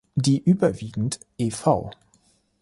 Die überwiegend ev.